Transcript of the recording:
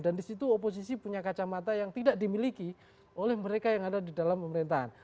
dan di situ oposisi punya kacamata yang tidak dimiliki oleh mereka yang ada di dalam pemerintahan